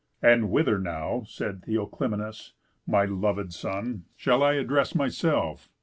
"And whither, now," Said Theoclymenus, "my lovéd son, Shall I address myself?